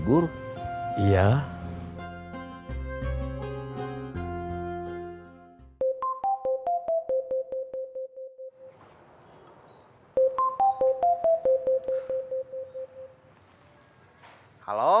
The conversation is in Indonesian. gak kekal nilai nalian